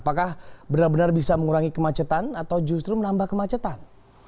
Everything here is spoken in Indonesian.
apakah benar benar bisa mengurangi kemacetan atau justru menambah kemacetan